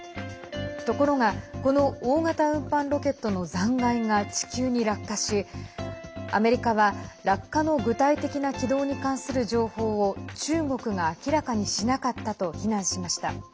ところがこの大型運搬ロケットの残骸が地球に落下しアメリカは、落下の具体的な軌道に関する情報を中国が明らかにしなかったと非難しました。